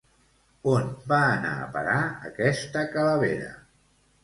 On va anar a parar aquesta calavera?